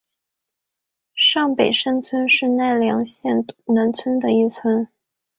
上北山村是奈良县南部的一村。